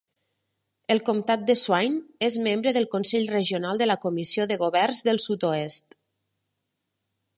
El comtat de Swain és membre del Consell regional de la comissió de governs del Sud-oest.